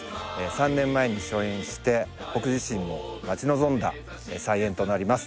３年前に初演して僕自身も待ち望んだ再演となります